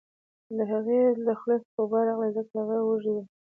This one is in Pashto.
د هغې له خولې څخه اوبه راغلې ځکه هغه وږې وه